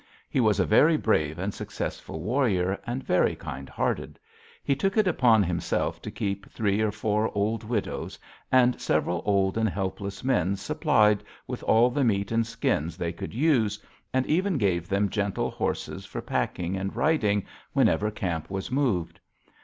He was a very brave and successful warrior, and very kind hearted: he took it upon himself to keep three or four old widows and several old and helpless men supplied with all the meat and skins they could use, and even gave them gentle horses for packing and riding whenever camp was moved.